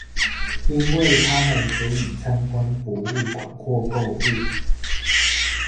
因為他們可以參觀博物館或購物